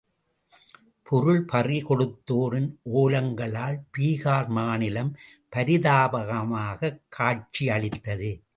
பொருள் பறி கொடுத்தோரின் ஒலங்களால் பீகார் மாநிலம் பரிதாபமாகக் காட்சியளித்தது.